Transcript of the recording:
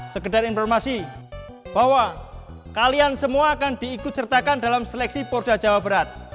sekedar informasi bahwa kalian semua akan diikut sertakan dalam seleksi polda jawa barat